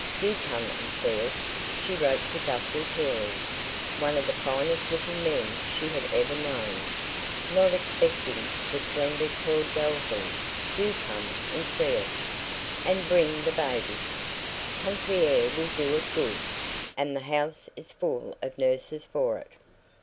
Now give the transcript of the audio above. "Do come and see us," she wrote to Guthrie Carey one of the finest looking men she had ever known, not excepting the splendid Claud Dalzell "do come and see us, and bring the baby. Country air will do it good, and the house is full of nurses for it."